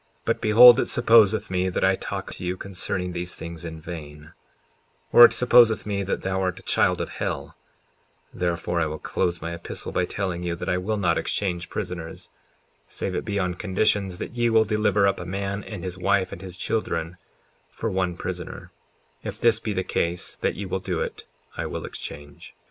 54:11 But behold, it supposeth me that I talk to you concerning these things in vain; or it supposeth me that thou art a child of hell; therefore I will close my epistle by telling you that I will not exchange prisoners, save it be on conditions that ye will deliver up a man and his wife and his children, for one prisoner; if this be the case that ye will do it, I will exchange.